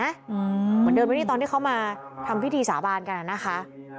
เหมือนเดินไปที่ตอนที่เขามาทำพิธีสาบานกันอะนะคะ